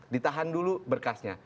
ditahan dulu berkasnya